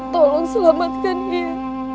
tolong selamatkan dia